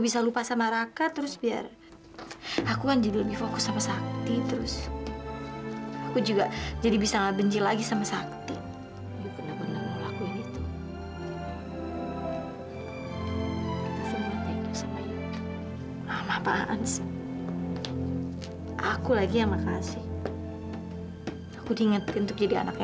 sampai jumpa di video selanjutnya